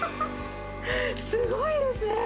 すごいですね。